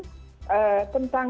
tentu saja kita harus mengingatkan